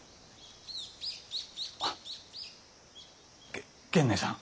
げ源内さん。